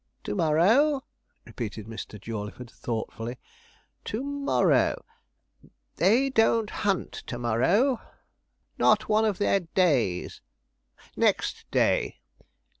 'To morrow,' repeated Mr. Jawleyford, thoughtfully, 'to morrow they don't hunt to morrow not one of their days next day.